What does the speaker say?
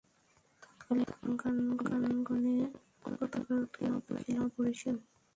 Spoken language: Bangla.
তৎকালে রণাঙ্গনে পতাকার গুরুত্ব ছিল অপরিসীম।